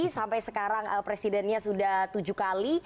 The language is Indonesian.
sampai sekarang presidennya sudah tujuh kali